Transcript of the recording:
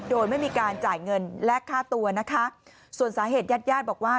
โดยไม่มีการจ่ายเงินและฆ่าตัวนะคะส่วนสาเหตุญาติญาติบอกว่า